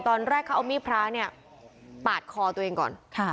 ตอนแรกเขาเอามีดพระเนี่ยปาดคอตัวเองก่อน